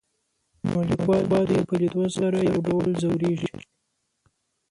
نو ليکوال د دوي په ليدو سره يو ډول ځوريږي.